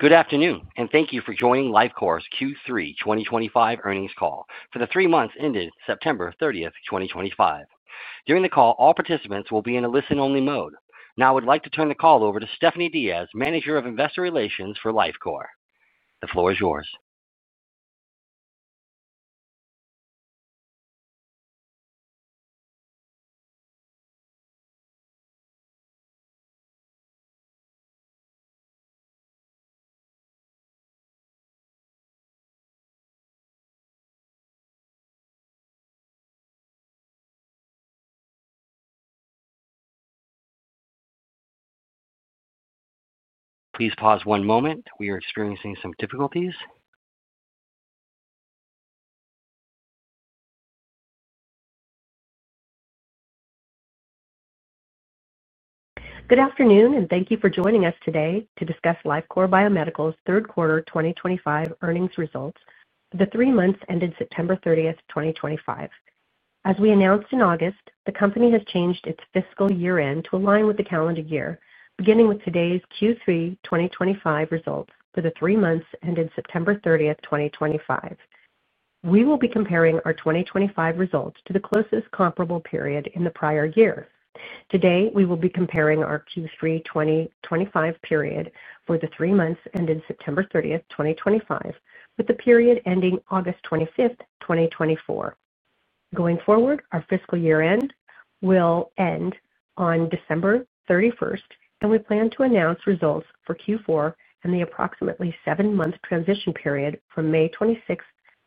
Good afternoon, and thank you for joining Lifecore's Q3 2025 earnings call for the three months ending September 30th, 2025. During the call, all participants will be in a listen-only mode. Now, I would like to turn the call over to Stephanie Diaz, Manager of Investor Relations for Lifecore. The floor is yours. Please pause one moment. We are experiencing some difficulties. Good afternoon, and thank you for joining us today to discuss Lifecore Biomedical's Third Quarter 2025 earnings results for the three months ending September 30th, 2025. As we announced in August, the Company has changed its fiscal year-end to align with the calendar year, beginning with today's Q3 2025 results for the three months ending September 30th, 2025. We will be comparing our 2025 results to the closest comparable period in the prior year. Today, we will be comparing our Q3 2025 period for the three months ending September 30th, 2025, with the period ending August 25th, 2024. Going forward, our fiscal year-end will end on December 31st, and we plan to announce results for Q4 and the approximately seven-month transition period from May 26th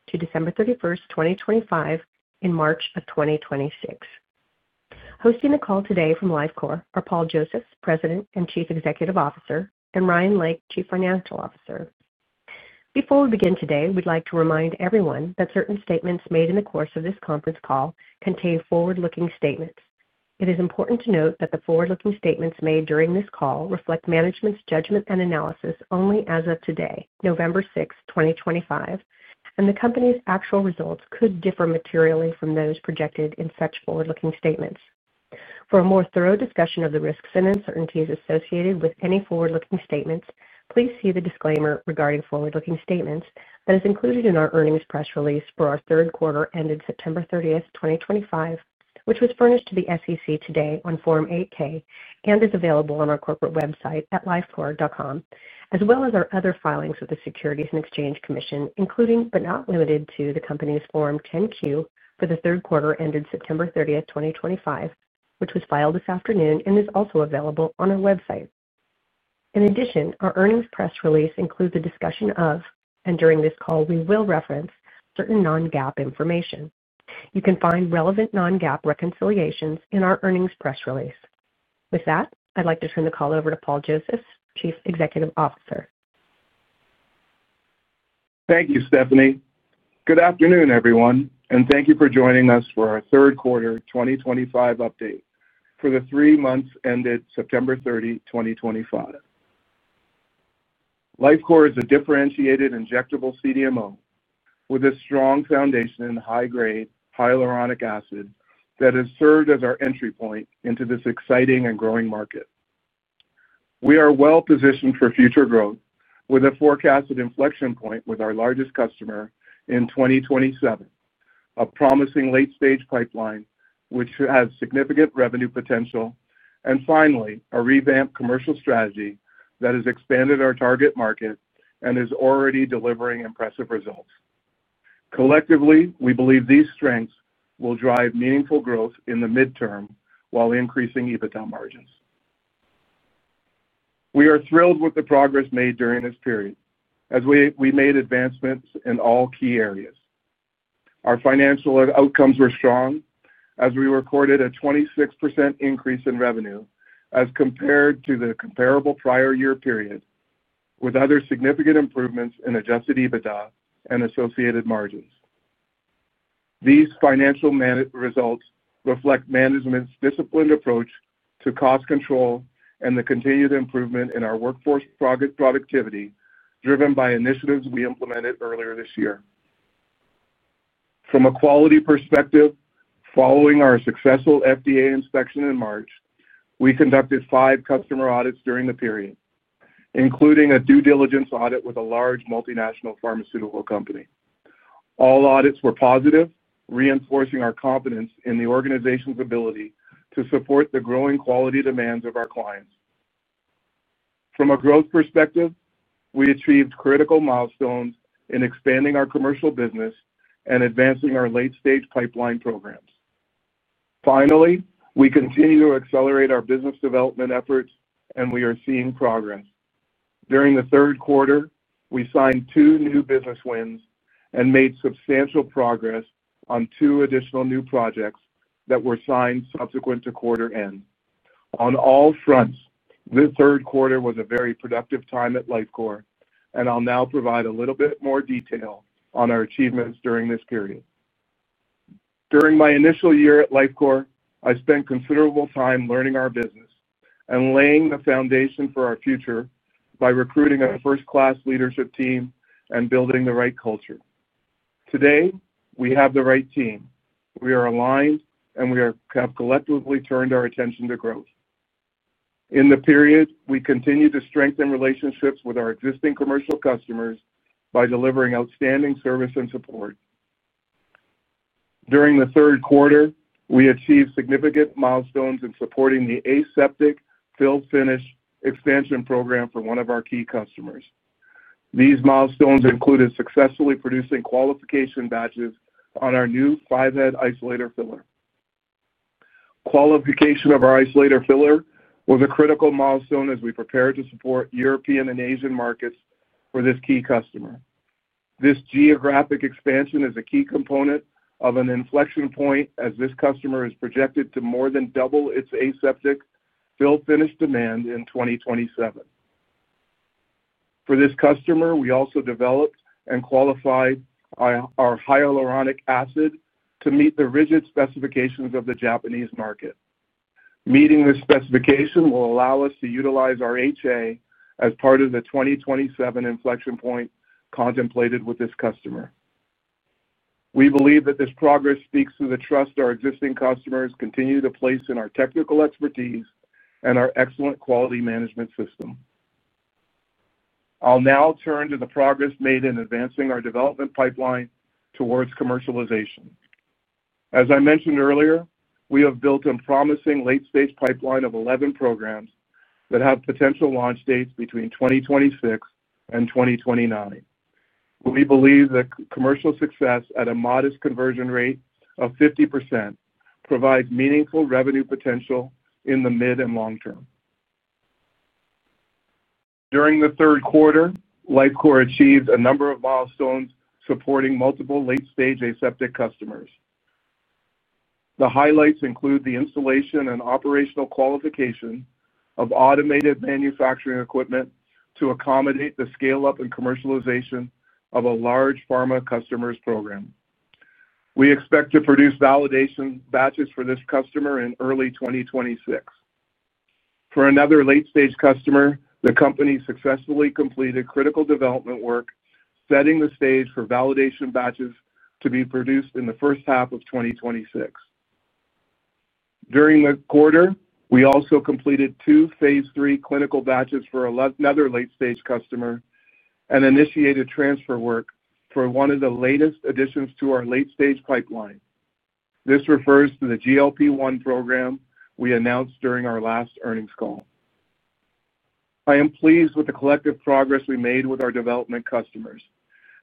to December 31st, 2025, in March of 2026. Hosting the call today from Lifecore are Paul Josephs, President and Chief Executive Officer, and Ryan Lake, Chief Financial Officer. Before we begin today, we'd like to remind everyone that certain statements made in the course of this conference call contain forward-looking statements. It is important to note that the forward-looking statements made during this call reflect management's judgment and analysis only as of today, November 6th, 2025, and the Company's actual results could differ materially from those projected in such forward-looking statements. For a more thorough discussion of the risks and uncertainties associated with any forward-looking statements, please see the disclaimer regarding forward-looking statements that is included in our earnings press release for our third quarter ending September 30th, 2025, which was furnished to the SEC today on Form 8-K and is available on our corporate website at lifecore.com, as well as our other filings with the Securities and Exchange Commission, including but not limited to the Company's Form 10-Q for the third quarter ending September 30th, 2025, which was filed this afternoon and is also available on our website. In addition, our earnings press release includes a discussion of, and during this call, we will reference certain non-GAAP information. You can find relevant non-GAAP reconciliations in our earnings press release. With that, I'd like to turn the call over to Paul Josephs, Chief Executive Officer. Thank you, Stephanie. Good afternoon, everyone, and thank you for joining us for our Third Quarter 2025 update for the three months ending September 30, 2025. Lifecore is a differentiated injectable CDMO with a strong foundation in high-grade hyaluronic acid that has served as our entry point into this exciting and growing market. We are well-positioned for future growth with a forecasted inflection point with our largest customer in 2027. A promising late-stage pipeline which has significant revenue potential, and finally, a revamped commercial strategy that has expanded our target market and is already delivering impressive results. Collectively, we believe these strengths will drive meaningful growth in the midterm while increasing EBITDA margins. We are thrilled with the progress made during this period as we made advancements in all key areas. Our financial outcomes were strong as we recorded a 26% increase in revenue as compared to the comparable prior year period, with other significant improvements in Adjusted EBITDA and associated margins. These financial results reflect Management's disciplined approach to cost control and the continued improvement in our workforce productivity driven by initiatives we implemented earlier this year. From a quality perspective, following our successful FDA inspection in March, we conducted five customer audits during the period, including a due diligence audit with a large multinational pharmaceutical company. All audits were positive, reinforcing our confidence in the Organization's ability to support the growing quality demands of our clients. From a growth perspective, we achieved critical milestones in expanding our commercial business and advancing our late-stage pipeline programs. Finally, we continue to accelerate our business development efforts, and we are seeing progress. During the Third Quarter, we signed two new business wins and made substantial progress on two additional new projects that were signed subsequent to quarter end. On all fronts, this Third Quarter was a very productive time at Lifecore, and I'll now provide a little bit more detail on our achievements during this period. During my initial year at Lifecore, I spent considerable time learning our business and laying the foundation for our future by recruiting a first-class leadership team and building the right culture. Today, we have the right team. We are aligned, and we have collectively turned our attention to growth. In the period, we continue to strengthen relationships with our existing commercial customers by delivering outstanding service and support. During the Third Quarter, we achieved significant milestones in supporting the aseptic fill-finish expansion program for one of our key customers. These milestones included successfully producing qualification batches on our new five-head isolator filler. Qualification of our isolator filler was a critical milestone as we prepared to support European and Asian markets for this key customer. This geographic expansion is a key component of an inflection point as this customer is projected to more than double its aseptic fill-finish demand in 2027. For this customer, we also developed and qualified our hyaluronic acid to meet the rigid specifications of the Japanese market. Meeting this specification will allow us to utilize our HA as part of the 2027 inflection point contemplated with this customer. We believe that this progress speaks to the trust our existing customers continue to place in our technical expertise and our excellent quality management system. I'll now turn to the progress made in advancing our development pipeline towards commercialization. As I mentioned earlier, we have built a promising late-stage pipeline of 11 programs that have potential launch dates between 2026 and 2029. We believe that commercial success at a modest conversion rate of 50% provides meaningful revenue potential in the mid and long term. During the Third Quarter, Lifecore achieved a number of milestones supporting multiple late-stage aseptic customers. The highlights include the installation and operational qualification of automated manufacturing equipment to accommodate the scale-up and commercialization of a large pharma customer's program. We expect to produce validation batches for this customer in early 2026. For another late-stage customer, the Company successfully completed critical development work, setting the stage for validation batches to be produced in the first half of 2026. During the Quarter, we also completed two phase three clinical batches for another late-stage customer and initiated transfer work for one of the latest additions to our late-stage pipeline. This refers to the GLP-1 program we announced during our last earnings call. I am pleased with the collective progress we made with our development customers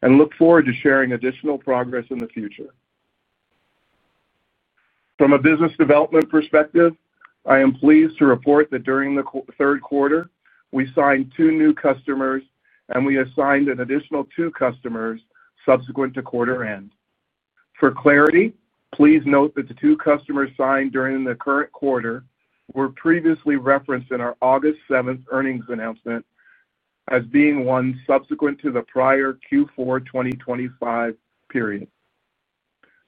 and look forward to sharing additional progress in the future. From a business development perspective, I am pleased to report that during the Third Quarter, we signed two new customers, and we assigned an additional two customers subsequent to quarter end. For clarity, please note that the two customers signed during the current quarter were previously referenced in our August 7th earnings announcement as being one subsequent to the prior Q4 2025 period.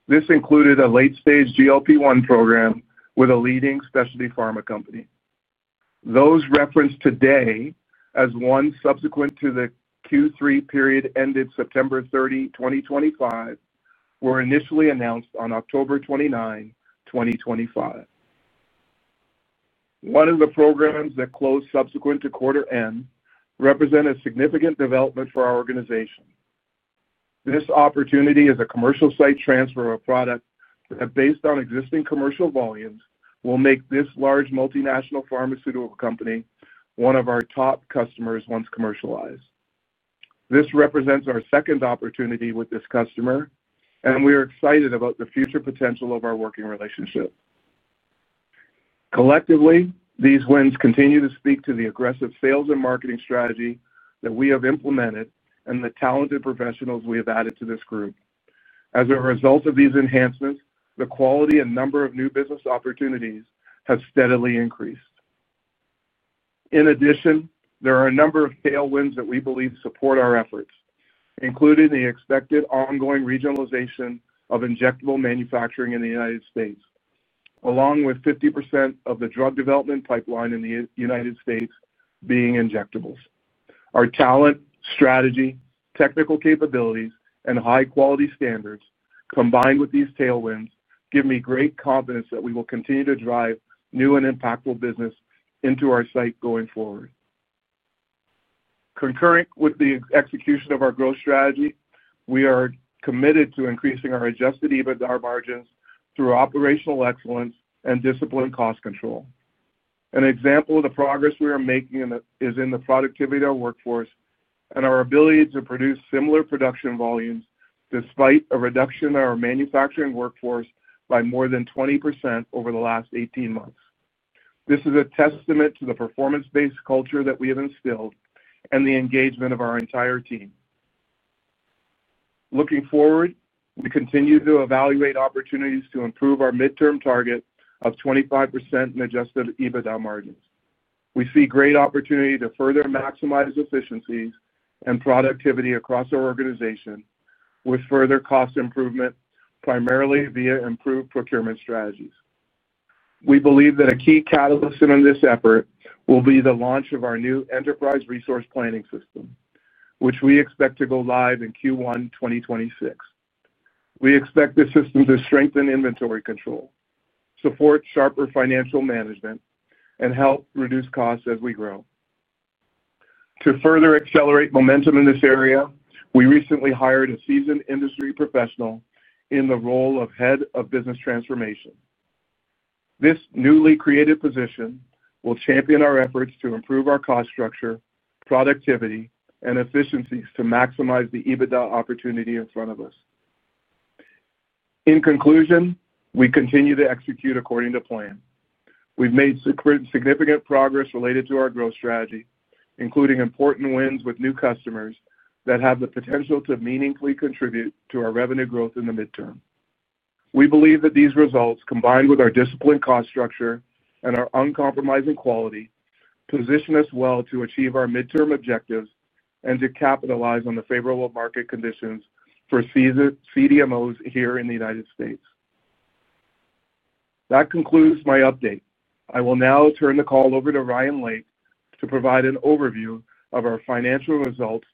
This included a late-stage GLP-1 program with a leading specialty pharma company. Those referenced today as one subsequent to the Q3 period ending September 30, 2025, were initially announced on October 29, 2025. One of the programs that closed subsequent to quarter end represents a significant development for our Organization. This opportunity is a commercial site transfer of a product that, based on existing commercial volumes, will make this large multinational pharmaceutical company one of our top customers once commercialized. This represents our second opportunity with this customer, and we are excited about the future potential of our working relationship. Collectively, these wins continue to speak to the aggressive sales and marketing strategy that we have implemented and the talented professionals we have added to this group. As a result of these enhancements, the quality and number of new business opportunities have steadily increased. In addition, there are a number of tailwinds that we believe support our efforts, including the expected ongoing regionalization of injectable manufacturing in the United States, along with 50% of the drug development pipeline in the United States being injectables. Our talent, strategy, technical capabilities, and high-quality standards combined with these tailwinds give me great confidence that we will continue to drive new and impactful business into our site going forward. Concurrent with the execution of our growth strategy, we are committed to increasing our Adjusted EBITDA margins through operational excellence and disciplined cost control. An example of the progress we are making is in the productivity of our workforce and our ability to produce similar production volumes despite a reduction in our manufacturing workforce by more than 20% over the last 18 months. This is a testament to the performance-based culture that we have instilled and the engagement of our entire team. Looking forward, we continue to evaluate opportunities to improve our midterm target of 25% in Adjusted EBITDA margins. We see great opportunity to further maximize efficiencies and productivity across our Organization with further cost improvement, primarily via improved procurement strategies. We believe that a key catalyst in this effort will be the launch of our new Enterprise Resource Planning system, which we expect to go live in Q1 2026. We expect this system to strengthen inventory control, support sharper financial management, and help reduce costs as we grow. To further accelerate momentum in this area, we recently hired a seasoned industry professional in the role of Head of Business Transformation. This newly created position will champion our efforts to improve our cost structure, productivity, and efficiencies to maximize the EBITDA opportunity in front of us. In conclusion, we continue to execute according to plan. We've made significant progress related to our growth strategy, including important wins with new customers that have the potential to meaningfully contribute to our revenue growth in the midterm. We believe that these results, combined with our disciplined cost structure and our uncompromising quality, position us well to achieve our midterm objectives and to capitalize on the favorable market conditions for CDMOs here in the United States. That concludes my update. I will now turn the call over to Ryan Lake to provide an overview of our financial results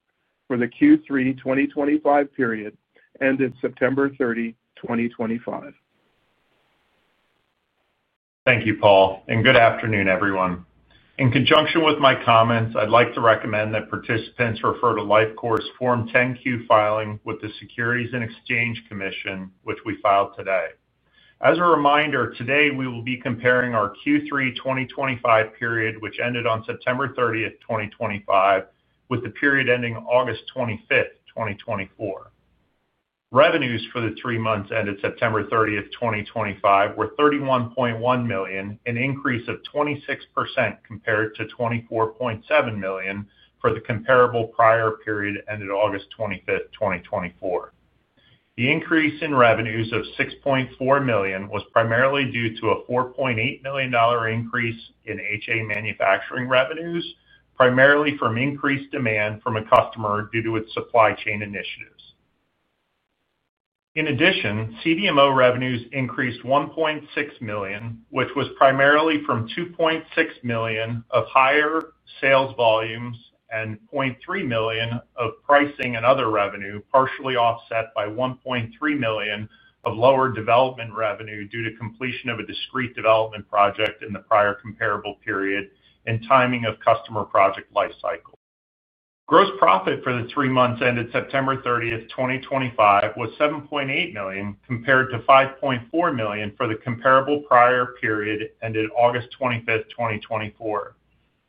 for the Q3 2025 period ending September 30, 2025. Thank you, Paul. Good afternoon, everyone. In conjunction with my comments, I'd like to recommend that participants refer to Lifecore's Form 10-Q filing with the Securities and Exchange Commission, which we filed today. As a reminder, today we will be comparing our Q3 2025 period, which ended on September 30th, 2025, with the period ending August 25th, 2024. Revenues for the three months ended September 30th, 2025, were $31.1 million, an increase of 26% compared to $24.7 million for the comparable prior period ended August 25th, 2024. The increase in revenues of $6.4 million was primarily due to a $4.8 million increase in HA manufacturing revenues, primarily from increased demand from a customer due to its supply chain initiatives. In addition, CDMO revenues increased $1.6 million, which was primarily from $2.6 million of higher sales volumes and $0.3 million of pricing and other revenue, partially offset by $1.3 million of lower development revenue due to completion of a discrete development project in the prior comparable period and timing of customer project lifecycle. Gross profit for the three months ended September 30th, 2025, was $7.8 million compared to $5.4 million for the comparable prior period ended August 25th, 2024.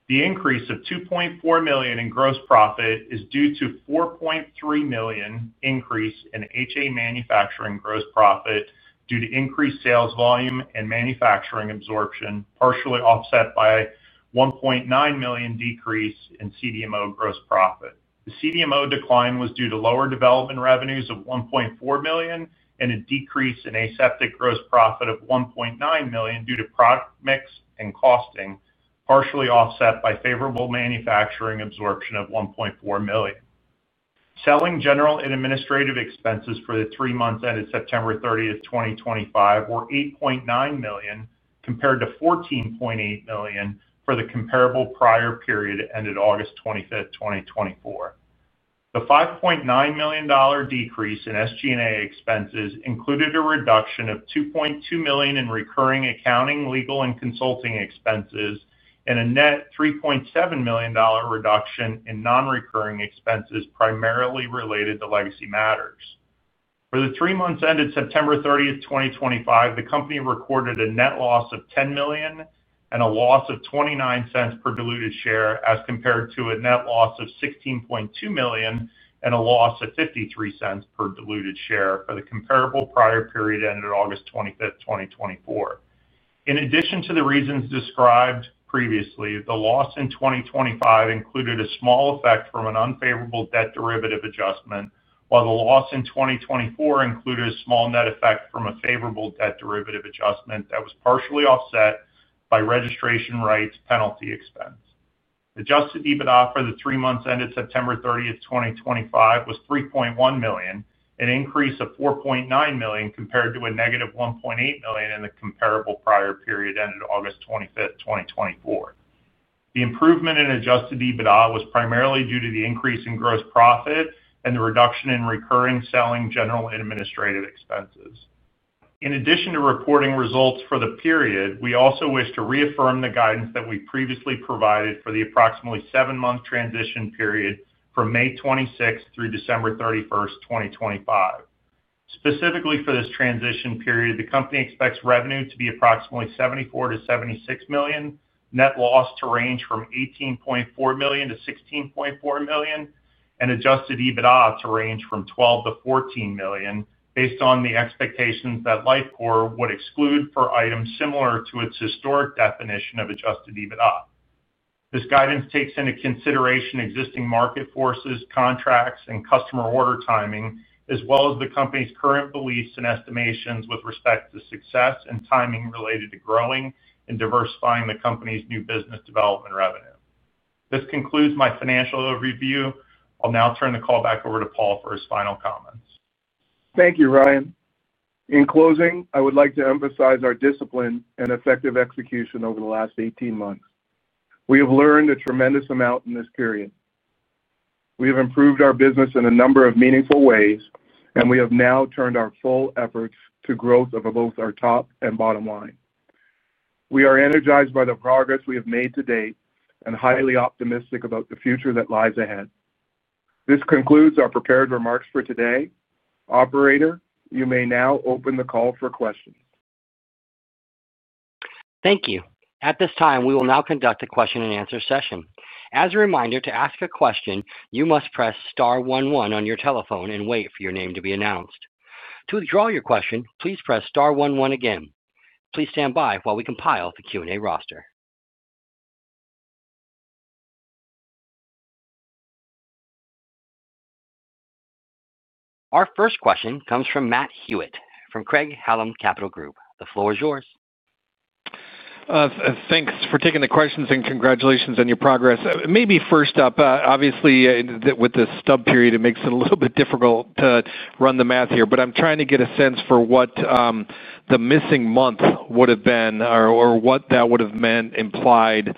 The increase of $2.4 million in gross profit is due to a $4.3 million increase in HA manufacturing gross profit due to increased sales volume and manufacturing absorption, partially offset by a $1.9 million decrease in CDMO gross profit. The CDMO decline was due to lower development revenues of $1.4 million and a decrease in aseptic gross profit of $1.9 million due to product mix and costing, partially offset by favorable manufacturing absorption of $1.4 million. Selling, General, and Administrative expenses for the three months ended September 30th, 2025, were $8.9 million compared to $14.8 million for the comparable prior period ended August 25th, 2024. The $5.9 million decrease in SG&A expenses included a reduction of $2.2 million in recurring accounting, legal, and consulting expenses and a net $3.7 million reduction in non-recurring expenses primarily related to legacy matters. For the three months ended September 30th, 2025, the Company recorded a net loss of $10 million and a loss of $0.29 per diluted share as compared to a net loss of $16.2 million and a loss of $0.53 per diluted share for the comparable prior period ended August 25th, 2024. In addition to the reasons described previously, the loss in 2025 included a small effect from an unfavorable debt derivative adjustment, while the loss in 2024 included a small net effect from a favorable debt derivative adjustment that was partially offset by registration rights penalty expense. Adjusted EBITDA for the three months ended September 30th, 2025, was $3.1 million, an increase of $4.9 million compared to a negative $1.8 million in the comparable prior period ended August 25th, 2024. The improvement in Adjusted EBITDA was primarily due to the increase in gross profit and the reduction in recurring Selling, General, and Administrative expenses. In addition to reporting results for the period, we also wish to reaffirm the guidance that we previously provided for the approximately seven-month transition period from May 26th through December 31st, 2025. Specifically for this transition period, the company expects revenue to be approximately $74-$76 million, net loss to range from $18.4 million-$16.4 million, and Adjusted EBITDA to range from $12-$14 million based on the expectations that Lifecore would exclude for items similar to its historic definition of Adjusted EBITDA. This guidance takes into consideration existing market forces, contracts, and customer order timing, as well as the Company's current beliefs and estimations with respect to success and timing related to growing and diversifying the Company's new business development revenue. This concludes my financial review. I'll now turn the call back over to Paul for his final comments. Thank you, Ryan. In closing, I would like to emphasize our discipline and effective execution over the last 18 months. We have learned a tremendous amount in this period. We have improved our business in a number of meaningful ways, and we have now turned our full efforts to growth of both our top and bottom line. We are energized by the progress we have made to date and highly optimistic about the future that lies ahead. This concludes our prepared remarks for today. Operator, you may now open the call for questions. Thank you. At this time, we will now conduct a question-and-answer session. As a reminder, to ask a question, you must press star one, one on your telephone and wait for your name to be announced. To withdraw your question, please press star one, one again. Please stand by while we compile the Q&A roster. Our first question comes from Matt Hewitt from Craig-Hallum Capital Group. The floor is yours. Thanks for taking the questions and congratulations on your progress. Maybe first up, obviously, with this stub period, it makes it a little bit difficult to run the math here, but I'm trying to get a sense for what the missing month would have been or what that would have meant implied,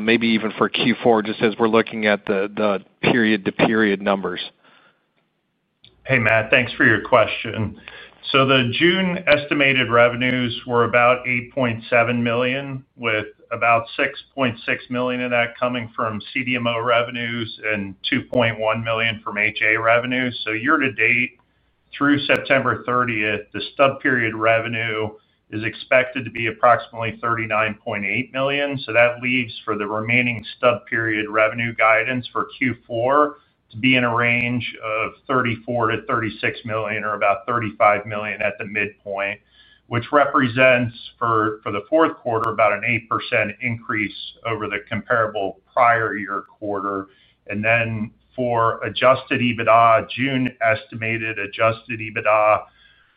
maybe even for Q4, just as we're looking at the period-to-period numbers. Hey, Matt, thanks for your question. The June estimated revenues were about $8.7 million, with about $6.6 million of that coming from CDMO revenues and $2.1 million from HA revenues. Year-to-date, through September 30, the stub period revenue is expected to be approximately $39.8 million. That leaves for the remaining stub period revenue guidance for Q4 to be in a range of $34-$36 million or about $35 million at the midpoint, which represents for the Fourth Quarter about an 8% increase over the comparable prior year quarter. For Adjusted EBITDA, June estimated Adjusted EBITDA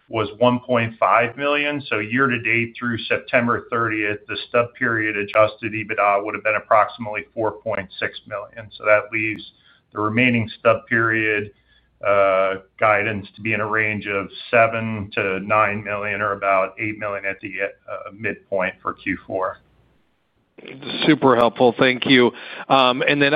was $1.5 million. Year-to-date, through September 30th, the stub period Adjusted EBITDA would have been approximately $4.6 million. That leaves the remaining stub period guidance to be in a range of $7-$9 million or about $8 million at the midpoint for Q4. Super helpful. Thank you. And then,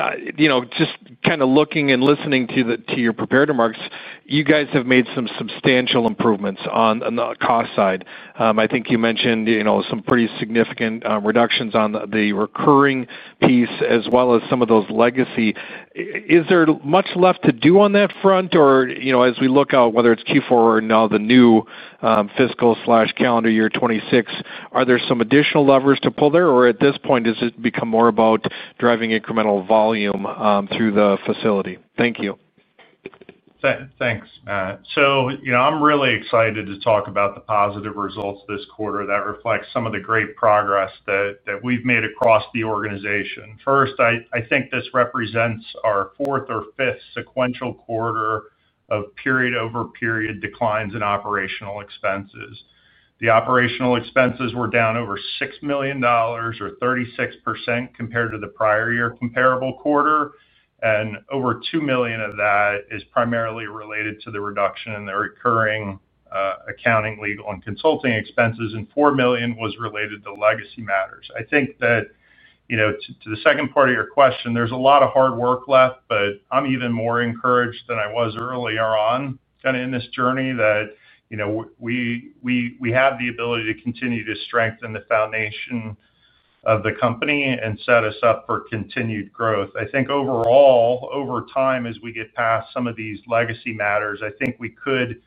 just kind of looking and listening to your prepared remarks, you guys have made some substantial improvements on the cost side. I think you mentioned some pretty significant reductions on the recurring piece as well as some of those legacy. Is there much left to do on that front? Or as we look out, whether it's Q4 or now the new fiscal/calendar year 2026, are there some additional levers to pull there? Or at this point, has it become more about driving incremental volume through the facility? Thank you. Thanks, Matt. I'm really excited to talk about the positive results this Quarter that reflect some of the great progress that we've made across the Organization. First, I think this represents our fourth or fifth sequential Quarter of period-over-period declines in operational expenses. The operational expenses were down over $6 million, or 36%, compared to the prior year comparable Quarter. Over $2 million of that is primarily related to the reduction in the recurring accounting, legal, and consulting expenses, and $4 million was related to legacy matters. To the second part of your question, there's a lot of hard work left, but I'm even more encouraged than I was earlier on kind of in this journey that we have the ability to continue to strengthen the foundation of the company and set us up for continued growth. I think overall, over time, as we get past some of these legacy matters, I think we could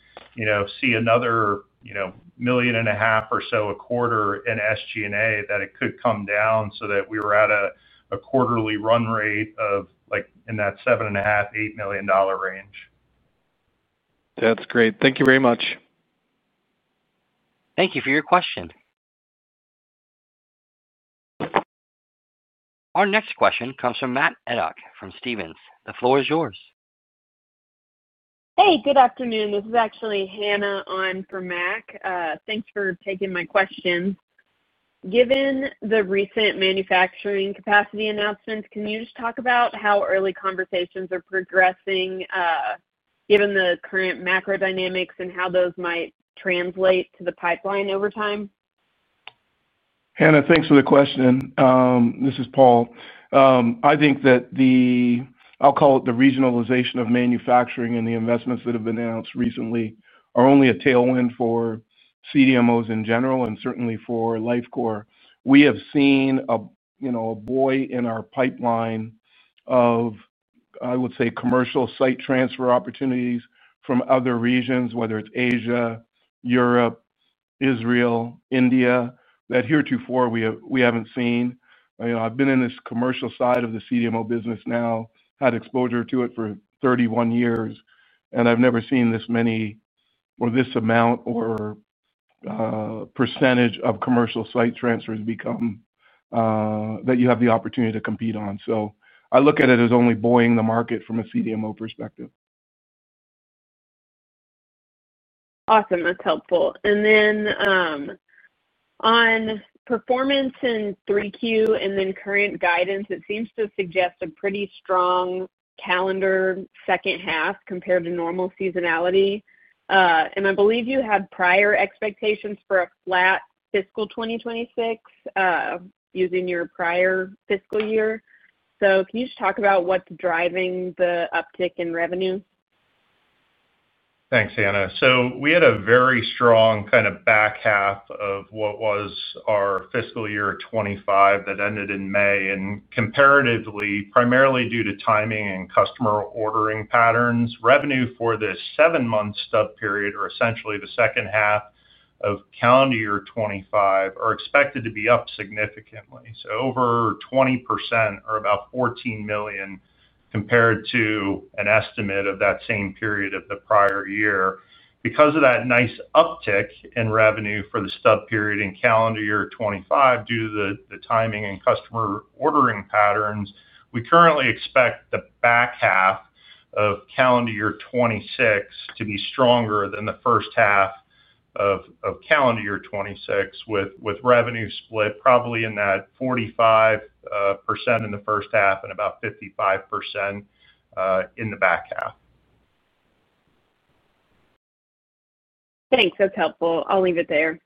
see another $1.5 million or so a Quarter in SG&A that it could come down so that we were at a quarterly run rate of in that $7.5-$8 million range. That's great. Thank you very much. Thank you for your question. Our next question comes from Mac Etoch from Stephens. The floor is yours. Hey, good afternoon. This is actually Hannah on for Mac. Thanks for taking my question. Given the recent manufacturing capacity announcements, can you just talk about how early conversations are progressing? Given the current macro dynamics and how those might translate to the pipeline over time? Hannah, thanks for the question. This is Paul. I think that the, I'll call it the regionalization of manufacturing and the investments that have been announced recently are only a tailwind for CDMOs in general and certainly for Lifecore. We have seen a buoy in our pipeline of, I would say, commercial site transfer opportunities from other regions, whether it's Asia, Europe, Israel, India, that heretofore we haven't seen. I've been in this commercial side of the CDMO business now, had exposure to it for 31 years, and I've never seen this many or this amount or percentage of commercial site transfers become that you have the opportunity to compete on. I look at it as only buoying the market from a CDMO perspective. Awesome. That's helpful. On performance in Q3 and then current guidance, it seems to suggest a pretty strong calendar second half compared to normal seasonality. I believe you had prior expectations for a flat fiscal 2026 using your prior fiscal year. Can you just talk about what's driving the uptick in revenue? Thanks, Hannah. We had a very strong kind of back half of what was our Fiscal Year 2025 that ended in May. Comparatively, primarily due to timing and customer ordering patterns, revenue for the seven-month stub period, or essentially the second half of calendar year 2025, are expected to be up significantly, so over 20% or about $14 million, compared to an estimate of that same period of the prior year. Because of that nice uptick in revenue for the stub period in Calendar Year 2025, due to the timing and customer ordering patterns, we currently expect the back half of Calendar Year 2026 to be stronger than the first half of Calendar Year 2026, with revenue split probably in that 45% in the first half and about 55% in the back half. Thanks. That's helpful. I'll leave it there.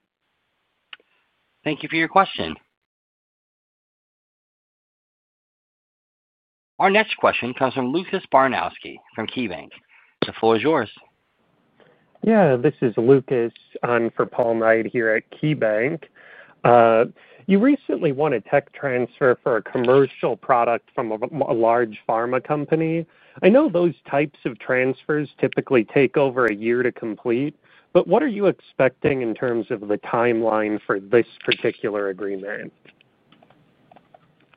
Thank you for your question. Our next question comes from Lucas Baranowski from KeyBanc. The floor is yours. Yeah, this is Lucas on for Paul Knight here at KeyBanc. You recently won a tech transfer for a commercial product from a large pharma company. I know those types of transfers typically take over a year to complete, but what are you expecting in terms of the timeline for this particular agreement?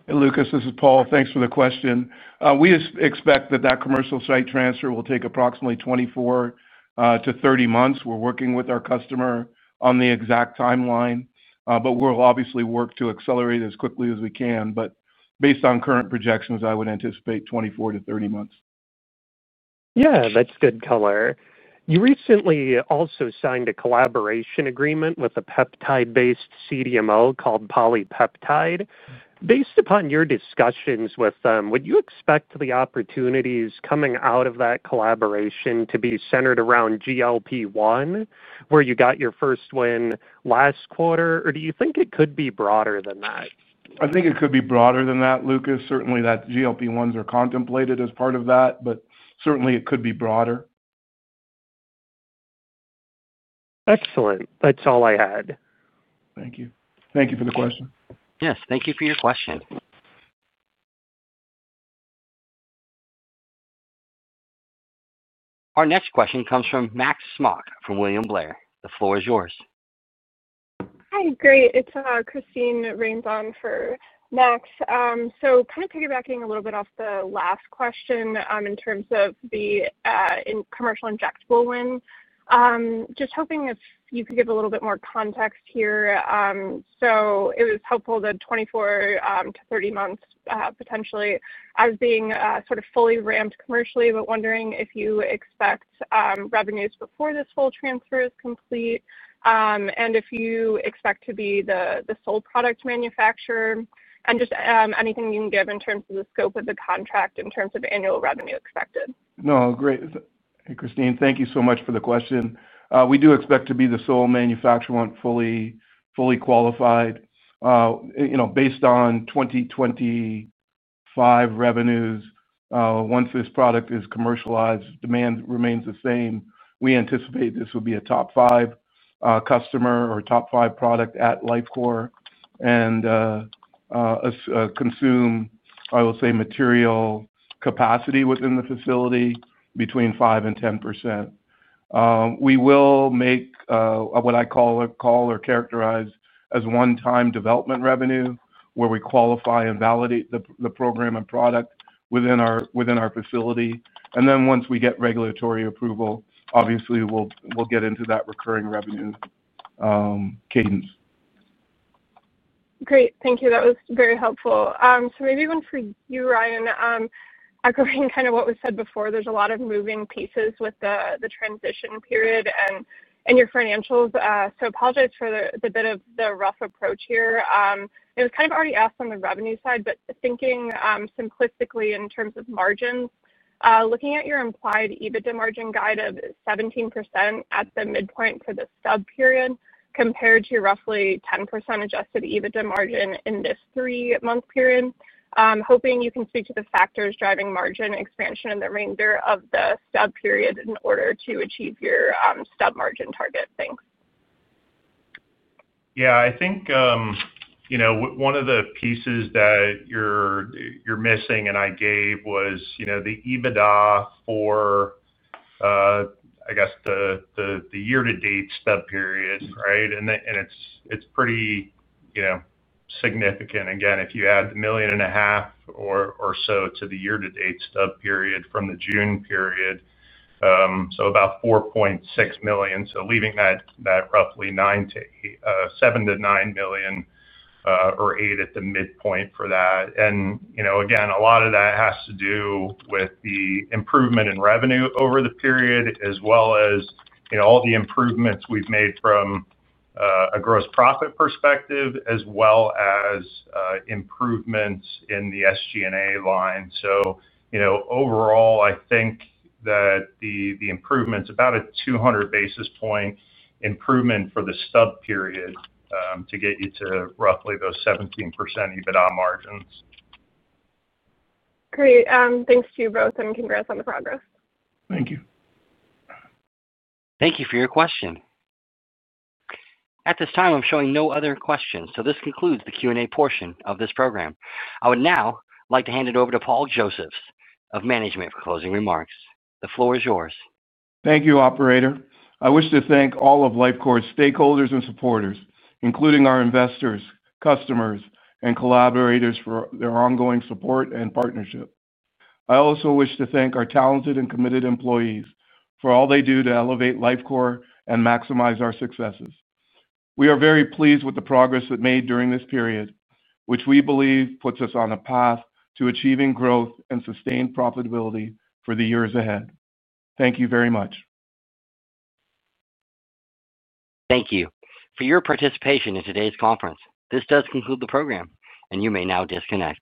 Hey, Lucas, this is Paul. Thanks for the question. We expect that that commercial site transfer will take approximately 24-30 months. We're working with our customer on the exact timeline, but we'll obviously work to accelerate as quickly as we can. Based on current projections, I would anticipate 24-30 months. Yeah, that's good color. You recently also signed a collaboration agreement with a peptide-based CDMO called Polypeptide. Based upon your discussions with them, would you expect the opportunities coming out of that collaboration to be centered around GLP-1, where you got your first win last Quarter, or do you think it could be broader than that? I think it could be broader than that, Lucas. Certainly, that GLP-1s are contemplated as part of that, but certainly it could be broader. Excellent. That's all I had. Thank you. Thank you for the question. Yes, thank you for your question. Our next question comes from Max Smock from William Blair. The floor is yours. Hi, great. It's Christine Rains on for Max. Kind of piggybacking a little bit off the last question in terms of the commercial injectable win, just hoping if you could give a little bit more context here. It was helpful, the 24-30 months potentially, as being sort of fully ramped commercially, but wondering if you expect revenues before this full transfer is complete. If you expect to be the sole product manufacturer. Anything you can give in terms of the scope of the contract in terms of annual revenue expected. No, great. And Christine, thank you so much for the question. We do expect to be the sole manufacturer when fully qualified. Based on 2025 revenues, once this product is commercialized, demand remains the same. We anticipate this would be a top five customer or top five product at Lifecore and consume, I will say, material capacity within the facility between 5%-10%. We will make what I call or characterize as one-time development revenue, where we qualify and validate the program and product within our facility. Once we get regulatory approval, obviously, we'll get into that recurring revenue cadence. Great. Thank you. That was very helpful. Maybe even for you, Ryan. Echoing kind of what was said before, there's a lot of moving pieces with the transition period and your financials. Apologize for the bit of the rough approach here. It was kind of already asked on the revenue side, but thinking simplistically in terms of margins, looking at your implied EBITDA margin guide of 17% at the midpoint for the stub period compared to roughly 10% Adjusted EBITDA margin in this three-month period, hoping you can speak to the factors driving margin expansion in the remainder of the stub period in order to achieve your stub margin target. Thanks. Yeah, I think one of the pieces that you're missing and I gave was the EBITDA for, I guess, the year-to-date stub period, right? And it's pretty significant. Again, if you add the million and a half or so to the year-to-date stub period from the June period, so about $4.6 million, so leaving that roughly $7-$9 million, or $8 million at the midpoint for that. Again, a lot of that has to do with the improvement in revenue over the period, as well as all the improvements we've made from a Gross Profit perspective, as well as improvements in the SG&A line. Overall, I think that the improvement's about a 200 basis point improvement for the stub period to get you to roughly those 17% EBITDA margins. Great. Thanks to you both, and congrats on the progress. Thank you. Thank you for your question. At this time, I'm showing no other questions. This concludes the Q&A portion of this program. I would now like to hand it over to Paul Josephs of management for closing remarks. The floor is yours. Thank you, operator. I wish to thank all of Lifecore's stakeholders and supporters, including our investors, customers, and collaborators for their ongoing support and partnership. I also wish to thank our talented and committed employees for all they do to elevate Lifecore and maximize our successes. We are very pleased with the progress that's made during this period, which we believe puts us on a path to achieving growth and sustained profitability for the years ahead. Thank you very much. Thank you for your participation in today's conference. This does conclude the program, and you may now disconnect.